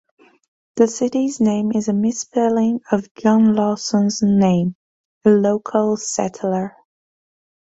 The city's name is a misspelling of John Lawson's name, a local settler.